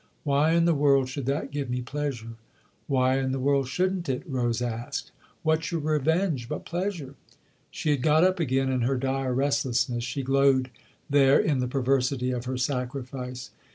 "Why in the world should that give me pleasure ?" "Why in the world shouldn't it?" Rose asked. "What's your revenge but pleasure?" She had got up again in her dire restlessness; she glowed there in the perversity of her sacrifice.